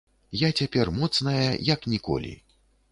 Я цяпер моцная, як ніколі.